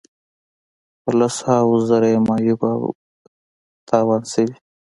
په لس هاوو زره یې معیوب او تاوان شوي.